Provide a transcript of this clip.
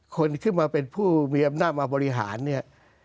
คนขึ้นมาเป็นผู้มีอำนาจมาบริหารเนี่ย